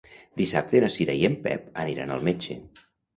Dissabte na Cira i en Pep aniran al metge.